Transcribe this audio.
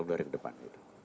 dua puluh hari ke depan ya